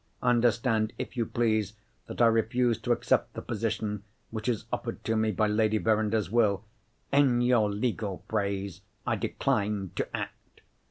Understand, if you please, that I refuse to accept the position which is offered to me by Lady Verinder's will. In your legal phrase, I decline to act.